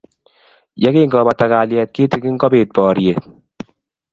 Yekingopata kalyet kitikin, kobit poryet.